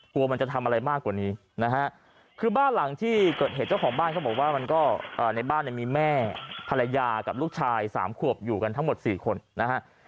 กลัวมันจะทำอะไรมากกว่านี้นะฮะคือบ้านหลังที่เกิดเหตุเจ้าของบ้านเขาบอกว่ามันก็ในบ้านเนี่ยมีแม่ภรรยากับลูกชาย๓ขวบอยู่กันทั้งหมด๔คนนะฮะ